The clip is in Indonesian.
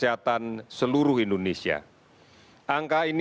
untuk memainkan kepentingan